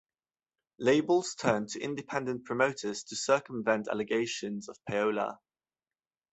Labels turned to independent promoters to circumvent allegations of payola.